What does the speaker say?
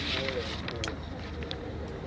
จงสลิขิตดัง